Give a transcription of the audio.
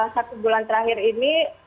satu bulan terakhir ini